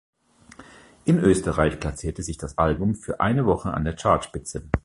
In Österreich platzierte sich das Album für eine Woche an der Chartspitze.